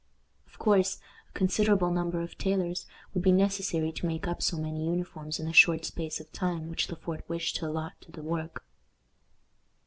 Of course, a considerable number of tailors would be necessary to make up so many uniforms in the short space of time which Le Fort wished to allot to the work.